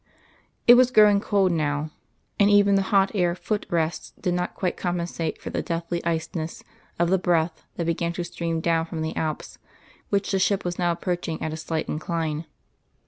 It was growing cold now, and even the hot air foot rests did not quite compensate for the deathly iciness of the breath that began to stream down from the Alps, which the ship was now approaching at a slight incline.